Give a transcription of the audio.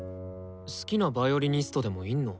好きなヴァイオリニストでもいんの？